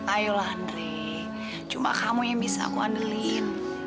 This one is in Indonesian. ayolah andre cuma kamu yang bisa aku andelin